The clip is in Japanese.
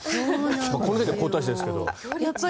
この時は皇太子ですが。